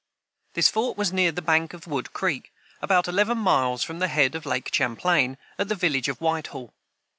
This fort was near the bank of Wood creek, about eleven miles from the head of Lake Champlain, at the village of Whitehall.